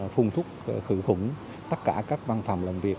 phung thúc khử khủng tất cả các văn phòng làm việc